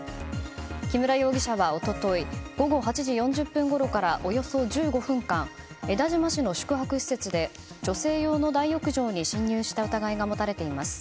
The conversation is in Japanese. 木村容疑者は一昨日午後８時４０分ごろからおよそ１５分間江田島市の宿泊施設で女性用の大浴場に侵入した疑いが持たれています。